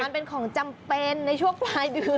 มันเป็นของจำเป็นในช่วงปลายเดือน